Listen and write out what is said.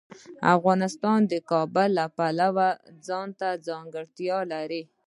افغانستان د کابل د پلوه ځانته ځانګړتیا لري.